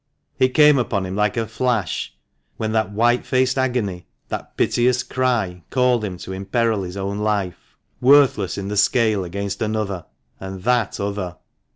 It came upon him like a flash when that white faced agony, that piteous cry, called him to imperil his own life, — worthless in the scale against another, and that other.